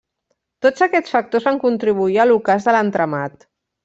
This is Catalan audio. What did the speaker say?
Tots aquests factors van contribuir a l'ocàs de l'entramat.